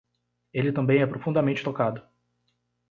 Ele também é profundamente tocado